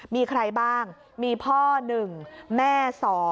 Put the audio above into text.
มีใครบ้างมีพ่อ๑แม่๒